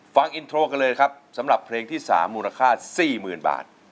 ฟังอินโทรกันเลยครับสำหรับเพลงที่๓มูลค่า๔๐๐๐บาท